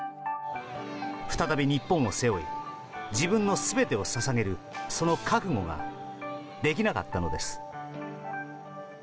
再び日本を背負い自分の全てを捧げるその覚悟ができなかったのです。